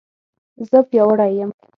زه پیاوړې یم